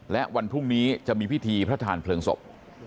และวันพรุ่งนี้จะมีพิธีพระทานเพลิงศพ